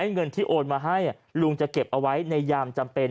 เงินที่โอนมาให้ลุงจะเก็บเอาไว้ในยามจำเป็น